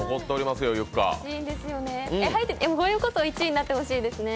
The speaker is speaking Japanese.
これこそ１位になってほしいですね。